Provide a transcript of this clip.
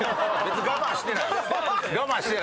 我慢してない？